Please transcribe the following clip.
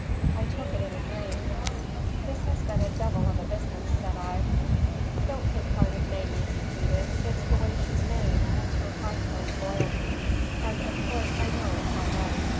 I took it in a dream. "This has been a devil of a business," said I. "Don't think hard of Mamie," he pleaded. "It's the way she's made; it's her high toned loyalty. And of course I know it's all right.